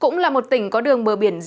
cũng là một tỉnh có đường bờ biển riêng